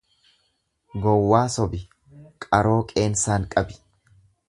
Gowwaa sobi, qaroo qeensaan qabi.